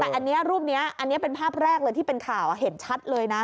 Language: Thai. แต่อันนี้รูปนี้อันนี้เป็นภาพแรกเลยที่เป็นข่าวเห็นชัดเลยนะ